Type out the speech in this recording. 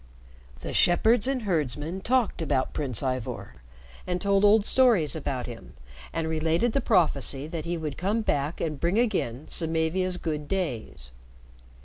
The shepherds and herdsmen talked about Prince Ivor, and told old stories about him, and related the prophecy that he would come back and bring again Samavia's good days.